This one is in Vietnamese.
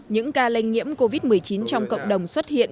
những ca lây nhiễm covid một mươi chín trong cộng đồng xuất hiện